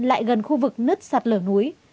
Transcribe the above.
lại gần khu vực nứt sạt lở núi